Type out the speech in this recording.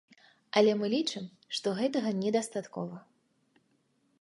Але мы лічым, што гэтага недастаткова.